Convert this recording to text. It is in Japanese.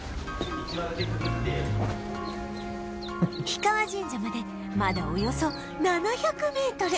氷川神社までまだおよそ７００メートル